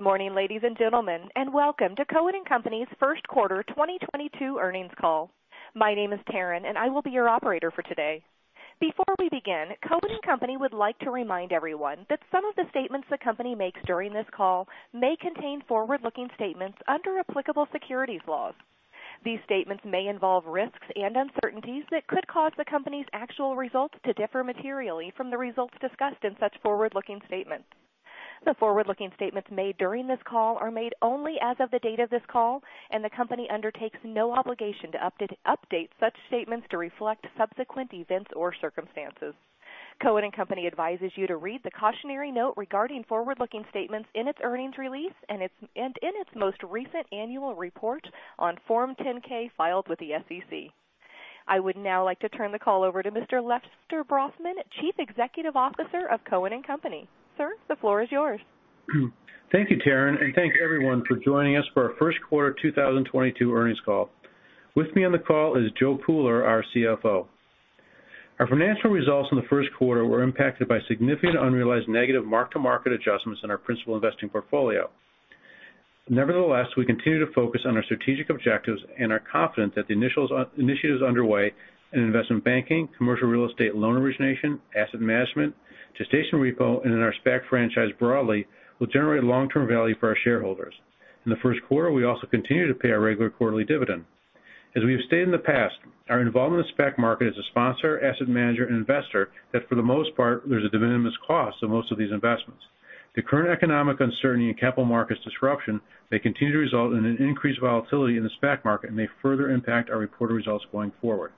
Good morning, ladies and gentlemen, and welcome to Cohen & Company's First Quarter 2022 Earnings Call. My name is Taryn, and I will be your operator for today. Before we begin, Cohen & Company would like to remind everyone that some of the statements the company makes during this call may contain forward-looking statements under applicable securities laws. These statements may involve risks and uncertainties that could cause the company's actual results to differ materially from the results discussed in such forward-looking statements. The forward-looking statements made during this call are made only as of the date of this call, and the company undertakes no obligation to update such statements to reflect subsequent events or circumstances. Cohen & Company advises you to read the cautionary note regarding forward-looking statements in its earnings release and in its most recent annual report on Form 10-K filed with the SEC. I would now like to turn the call over to Mr. Lester Brafman, Chief Executive Officer of Cohen & Company. Sir, the floor is yours. Thank you, Taryn, and thank you everyone for joining us for our First Quarter 2022 Earnings Call. With me on the call is Joe Pooler, our CFO. Our financial results in the first quarter were impacted by significant unrealized negative mark-to-market adjustments in our principal investing portfolio. Nevertheless, we continue to focus on our strategic objectives and are confident that the initiatives underway in investment banking, commercial real estate loan origination, asset management, gestation repo, and in our SPAC franchise broadly will generate long-term value for our shareholders. In the first quarter, we also continued to pay our regular quarterly dividend. As we have stated in the past, our involvement in the SPAC market as a sponsor, asset manager, and investor that for the most part, there's a de minimis cost to most of these investments. The current economic uncertainty and capital markets disruption may continue to result in an increased volatility in the SPAC market and may further impact our reported results going forward.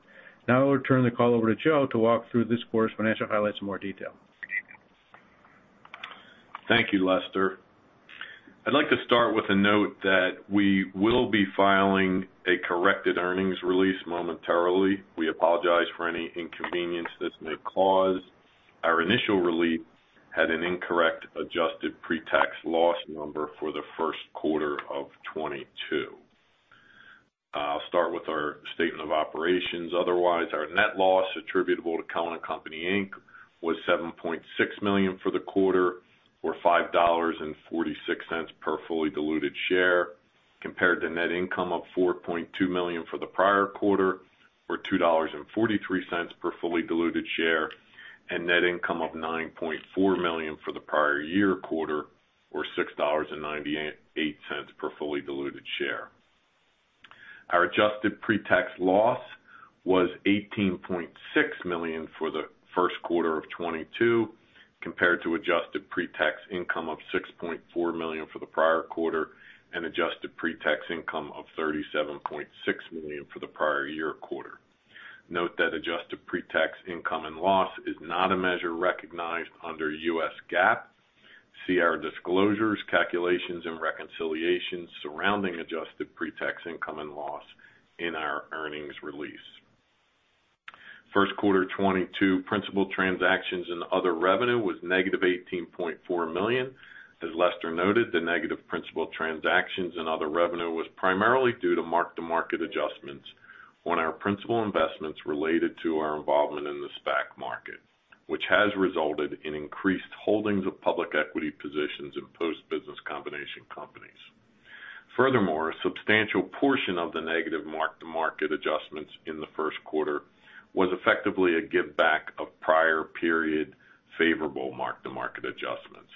Now I'll turn the call over to Joe to walk through this quarter's financial highlights in more detail. Thank you, Lester. I'd like to start with a note that we will be filing a corrected earnings release momentarily. We apologize for any inconvenience this may cause. Our initial release had an incorrect adjusted pre-tax loss number for the first quarter of 2022. I'll start with our statement of operations. Otherwise, our net loss attributable to Cohen & Company Inc. was $7.6 million for the quarter, or $5.46 per fully diluted share, compared to net income of $4.2 million for the prior quarter, or $2.43 per fully diluted share, and net income of $9.4 million for the prior year quarter, or $6.98 per fully diluted share. Our adjusted pre-tax loss was $18.6 million for the first quarter of 2022, compared to adjusted pre-tax income of $6.4 million for the prior quarter and adjusted pre-tax income of $37.6 million for the prior year quarter. Note that adjusted pre-tax income and loss is not a measure recognized under U.S. GAAP. See our disclosures, calculations, and reconciliations surrounding adjusted pre-tax income and loss in our earnings release. First quarter 2022 principal transactions and other revenue was negative $18.4 million. As Lester noted, the negative principal transactions and other revenue was primarily due to mark-to-market adjustments on our principal investments related to our involvement in the SPAC market, which has resulted in increased holdings of public equity positions in post-business combination companies. Furthermore, a substantial portion of the negative mark-to-market adjustments in the first quarter was effectively a give back of prior period favorable mark-to-market adjustments.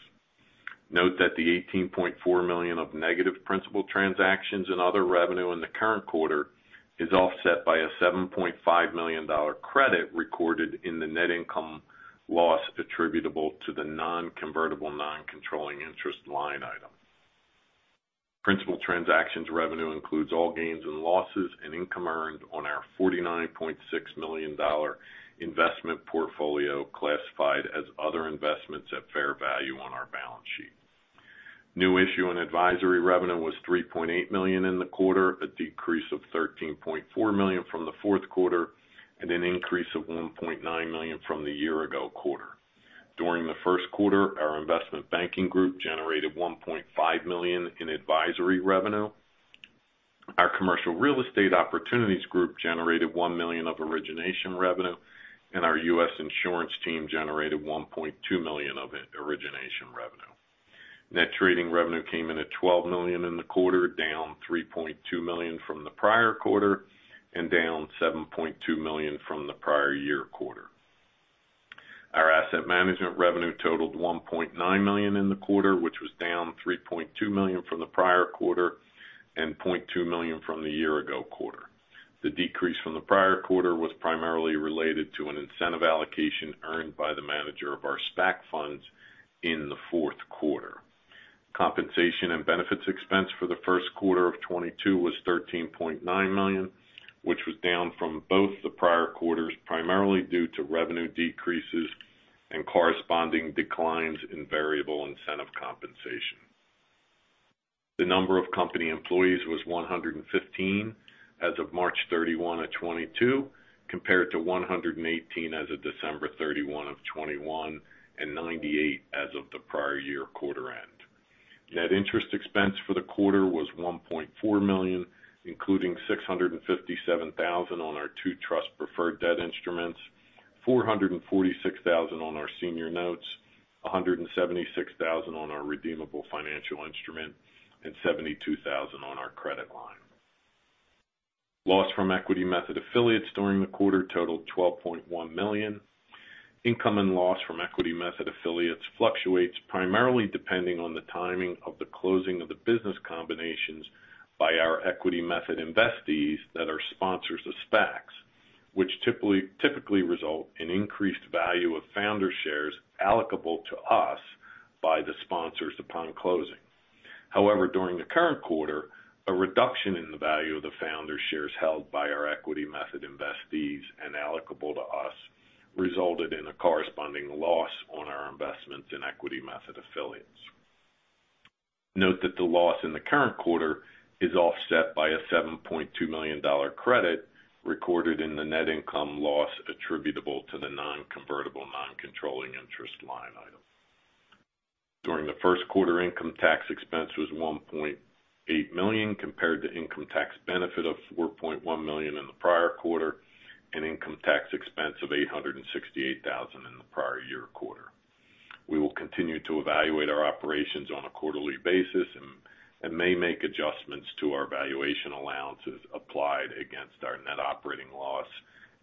Note that the $18.4 million of negative principal transactions and other revenue in the current quarter is offset by a $7.5 million credit recorded in the net income loss attributable to the non-convertible non-controlling interest line item. Principal transactions revenue includes all gains and losses and income earned on our $49.6 million investment portfolio classified as other investments at fair value on our balance sheet. New issue and advisory revenue was $3.8 million in the quarter, a decrease of $13.4 million from the fourth quarter, and an increase of $1.9 million from the year-ago quarter. During the first quarter, our investment banking group generated $1.5 million in advisory revenue. Our commercial real estate opportunities group generated $1 million of origination revenue, and our U.S. insurance team generated $1.2 million of origination revenue. Net trading revenue came in at $12 million in the quarter, down $3.2 million from the prior quarter and down $7.2 million from the prior-year quarter. Our asset management revenue totaled $1.9 million in the quarter, which was down $3.2 million from the prior quarter and $0.2 million from the year-ago quarter. The decrease from the prior quarter was primarily related to an incentive allocation earned by the manager of our SPAC funds in the fourth quarter. Compensation and benefits expense for the first quarter of 2022 was $13.9 million, which was down from both the prior quarters, primarily due to revenue decreases and corresponding declines in variable incentive compensation. The number of company employees was 115 as of March 31, 2022 compared to 118 as of December 31, 2021 and 98 as of the prior year quarter end. Net interest expense for the quarter was $1.4 million, including $657,000 on our two trust preferred debt instruments, $446,000 on our senior notes, $176,000 on our redeemable financial instrument, and $72,000 on our credit line. Loss from equity method affiliates during the quarter totaled $12.1 million. Income and loss from equity method affiliates fluctuates primarily depending on the timing of the closing of the business combinations by our equity method investees that are sponsors of SPACs, which typically result in increased value of founder shares allocable to us by the sponsors upon closing. However, during the current quarter, a reduction in the value of the founder shares held by our equity method investees and allocable to us resulted in a corresponding loss on our investments in equity method affiliates. Note that the loss in the current quarter is offset by a $7.2 million credit recorded in the net income loss attributable to the non-convertible non-controlling interest line item. During the first quarter, income tax expense was $1.8 million compared to income tax benefit of $4.1 million in the prior quarter and income tax expense of $868,000 in the prior year quarter. We will continue to evaluate our operations on a quarterly basis and may make adjustments to our valuation allowances applied against our net operating loss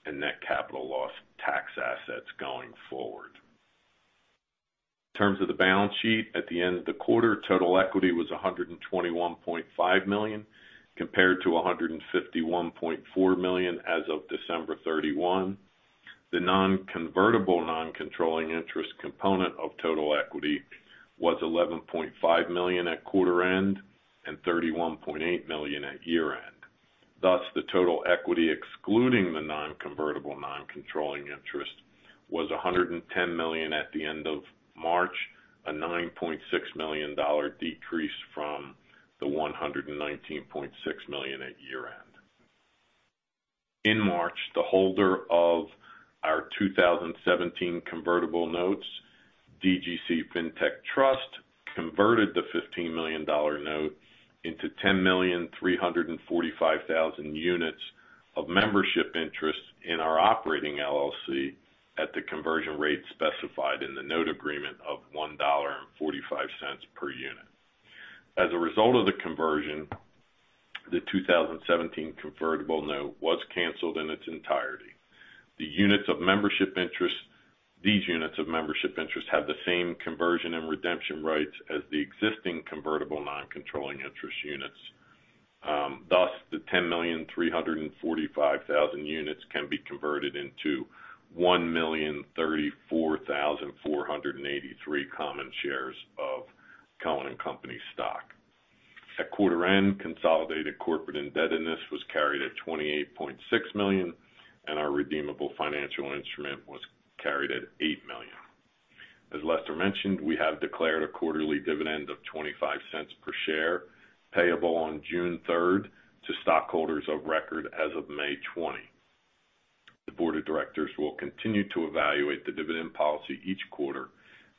and net capital loss tax assets going forward. In terms of the balance sheet, at the end of the quarter, total equity was $121.5 million compared to $151.4 million as of December 31. The non-convertible non-controlling interest component of total equity was $11.5 million at quarter end and $31.8 million at year-end. Thus, the total equity excluding the non-convertible non-controlling interest was $110 million at the end of March, a $9.6 million decrease from the $119.6 million at year-end. In March, the holder of our 2017 convertible notes, DGC Family Fintech Trust, converted the $15 million note into 10,345,000 units of membership interest in our operating LLC at the conversion rate specified in the note agreement of $1.45 per unit. As a result of the conversion, the 2017 convertible note was canceled in its entirety. These units of membership interest have the same conversion and redemption rights as the existing convertible non-controlling interest units. Thus, the 10,345,000 units can be converted into 1,034,483 common shares of Cohen & Company stock. At quarter end, consolidated corporate indebtedness was carried at $28.6 million, and our redeemable financial instrument was carried at $8 million. As Lester mentioned, we have declared a quarterly dividend of $0.25 per share payable on June 3 to stockholders of record as of May 20. The board of directors will continue to evaluate the dividend policy each quarter,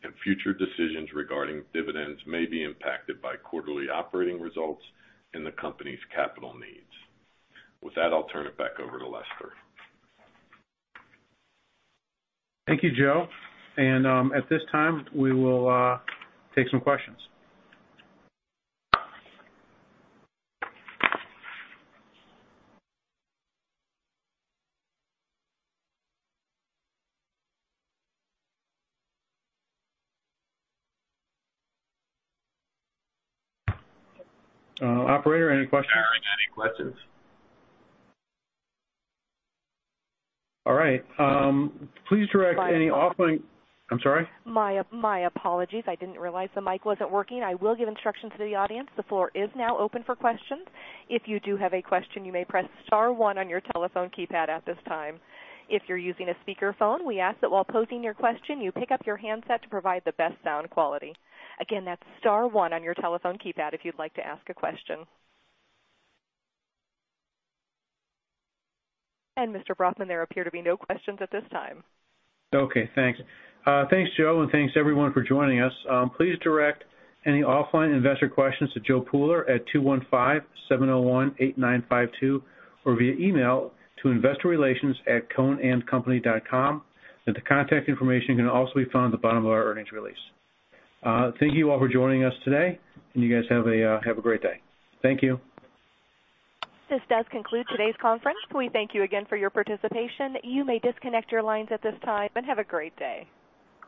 and future decisions regarding dividends may be impacted by quarterly operating results and the company's capital needs. With that, I'll turn it back over to Lester. Thank you, Joe. At this time, we will take some questions. Operator, any questions? Sorry, any questions? All right. Please direct any offline. My apologies. I'm sorry. My apologies. I didn't realize the mic wasn't working. I will give instructions to the audience. The floor is now open for questions. If you do have a question, you may press star one on your telephone keypad at this time. If you're using a speakerphone, we ask that while posing your question, you pick up your handset to provide the best sound quality. Again, that's star one on your telephone keypad if you'd like to ask a question. Mr. Brafman, there appear to be no questions at this time. Okay, thanks. Thanks, Joe. Thanks everyone for joining us. Please direct any offline investor questions to Joe Pooler at 215-701-8952 or via email to investorrelations@cohenandcompany.com. The contact information can also be found at the bottom of our earnings release. Thank you all for joining us today, and you guys have a great day. Thank you. This does conclude today's conference. We thank you again for your participation. You may disconnect your lines at this time, and have a great day.